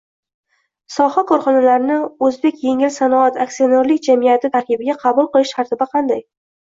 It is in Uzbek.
Soha korxonalarini “O’zbekengilsanoat” aksionerlik jamiyati tarkibiga qabul qilish tartibi qanday?